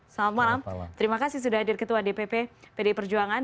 selamat malam terima kasih sudah hadir ketua dpp pdi perjuangan